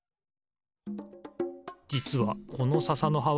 じつはこのささのはは